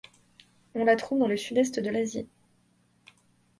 On la trouve dans le sud-est de l'Asie.